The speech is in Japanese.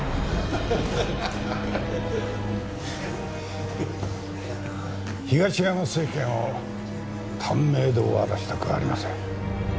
ハハハハ東山政権を短命で終わらせたくありません